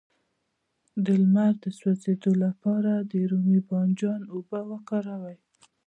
د لمر د سوځیدو لپاره د رومي بانجان اوبه وکاروئ